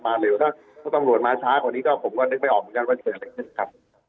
มาเร็วถ้าตำรวจมาช้ากว่านี้ก็ผมก็นึกไม่ออกว่าจะเกิดอะไรขึ้นครับ